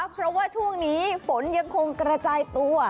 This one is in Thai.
เพราะว่าช่วงนี้ฝนยังคงกระจายตัว